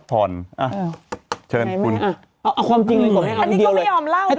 กะตอนนี้คือเอากินให้ดีกว่ากัน